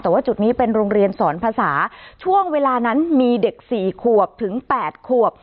แต่ว่าจุดนี้เป็นโรงเรียนสอนภาษาช่วงเวลานั้นมีเด็ก๔ขวบถึง๘ขวบ